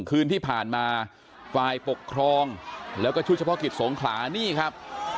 คืนที่ผ่านมาฝ่ายปกครองแล้วก็ชุดเฉพาะกิจสงขลานี่ครับ